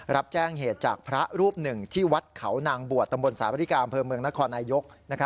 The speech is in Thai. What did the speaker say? รับแจ้งเหตุจากพระรูปหนึ่งที่วัดเขานางบวชตำบลสาบริกาอำเภอเมืองนครนายก